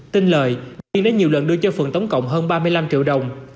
tin lời thiên đã nhiều lần đưa cho phượng tổng cộng hơn ba mươi năm triệu đồng